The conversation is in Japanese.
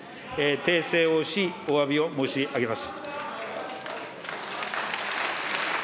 訂正をし、おわびを申し上げます。